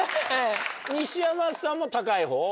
西山さんも高いほう？